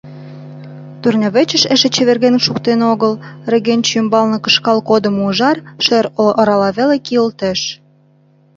Турнявӧчыж эше чеверген шуктен огыл, регенче ӱмбалне кышкал кодымо ужар шер орала веле кийылтеш.